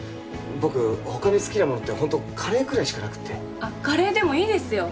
僕他に好きなものってホントカレーくらいしかなくてあっカレーでもいいですよ